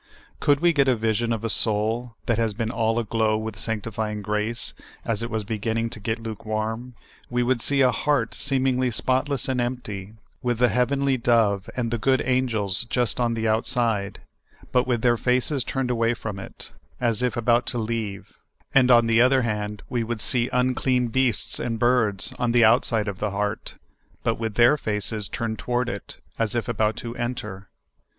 Could we get a vision of a soul that has been all 28 SOUIv FOOD. aglow with sanctif3'ing grace, as it was beginning to get lukewarm, we would see a heart seemingl} spotless and empt}', with the heavenly dove and the good angels just on the outside, but with their faces turned away from it, as if about to leave ; and, on the other hand, we would see unclean beasts and birds on the outside of the heart, but with their faces turned toward it, as if about to enter.